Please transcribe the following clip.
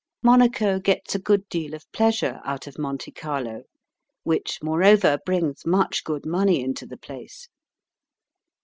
Monaco gets a good deal of pleasure out of Monte Carlo, which moreover brings much good money into the place.